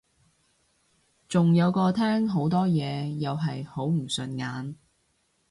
仲有個廳好多嘢又係好唔順眼